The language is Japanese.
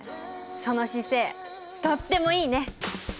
その姿勢とってもいいね！